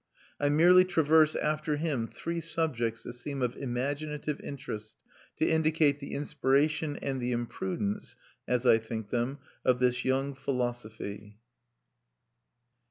I merely traverse after him three subjects that seem of imaginative interest, to indicate the inspiration and the imprudence, as I think them, of this young philosophy.